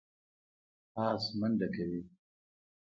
آس منډه کوي.